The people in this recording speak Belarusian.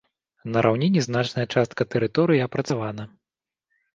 На раўніне значная частка тэрыторыі апрацавана.